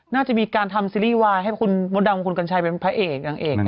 น่าจะมีการทำซีรีส์วายให้คุณมดดำคุณกัญชัยเป็นพระเอกนางเอก